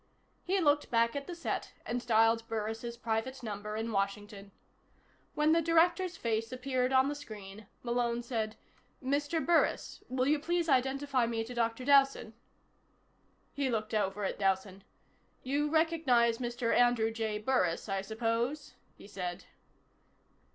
He looked back at the set and dialed Burris' private number in Washington. When the Director's face appeared on the screen, Malone said: "Mr. Burris, will you please identify me to Dr. Dowson?" He looked over at Dowson. "You recognize Mr. Andrew J. Burris, I suppose?" he said.